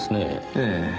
ええ。